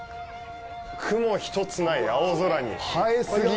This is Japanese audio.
雲ひとつない青空に映え過ぎ！